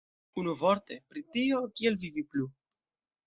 Unuvorte, pri tio, kiel vivi plu.